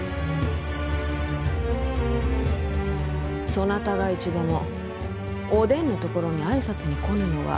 そなたが一度もお伝のところに挨拶に来ぬのは？